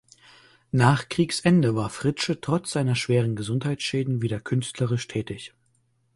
Nach Kriegsende war Fritzsche trotz seiner schweren Gesundheitsschäden wieder künstlerisch tätig.